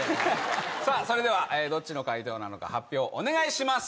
さあそれではどっちの回答なのか発表お願いします。